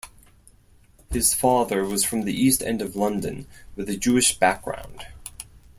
His father was from the East End of London with a Jewish background.